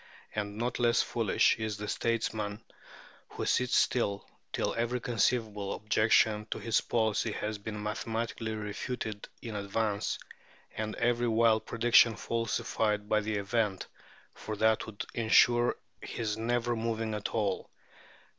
And not less foolish is the statesman who sits still till every conceivable objection to his policy has been mathematically refuted in advance, and every wild prediction falsified by the event; for that would ensure his never moving at all.